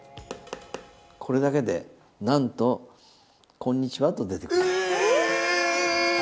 これだけでなんとこんにちはと出てくる。